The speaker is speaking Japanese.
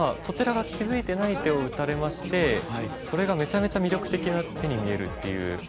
こちらが気付いてない手を打たれましてそれがめちゃめちゃ魅力的な手に見えるっていう。